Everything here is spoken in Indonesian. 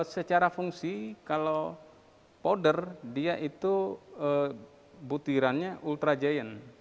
secara fungsi kalau powder dia itu butirannya ultra giant